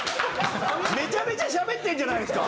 めちゃめちゃしゃべってんじゃないですか！